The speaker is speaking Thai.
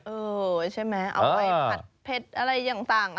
เออใช่ไหมเอาไปผัดเผ็ดอะไรต่าง